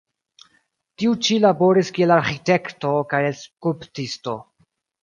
Tiu ĉi laboris kiel arĥitekto kaj skulptisto.